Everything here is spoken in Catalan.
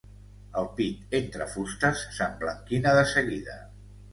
El pit entre fustes s'emblanquina de seguida.